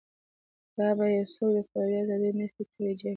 دا به یو څوک د فردي ازادیو نفي توجیه کړي.